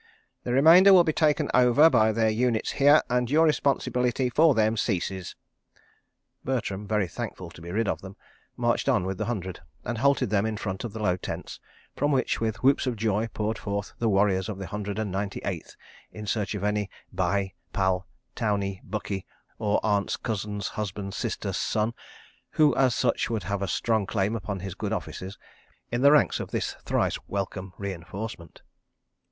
"The remainder will be taken over by their units here, and your responsibility for them ceases." Bertram, very thankful to be rid of them, marched on with the Hundred, and halted them in front of the low tents, from which, with whoops of joy, poured forth the warriors of the Hundred and Ninety Eighth in search of any bhai, pal, townee, bucky, or aunt's cousin's husband's sister's son—(who, as such, would have a strong claim upon his good offices)—in the ranks of this thrice welcome reinforcement.